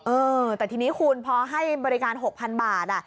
เออแต่ทีนี้คุณพอให้บริการ๖๐๐๐บาท